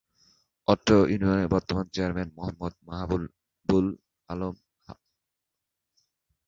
অত্র ইউনিয়নের বর্তমান চেয়ারম্যান মোহাম্মদ মাহাবুব-উল-আলম